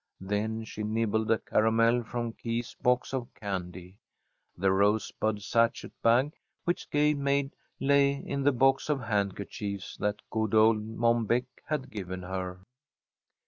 Then she nibbled a caramel from Keith's box of candy. The rosebud sachet bag which Gay made lay in the box of handkerchiefs that good old Mom Beck had given her.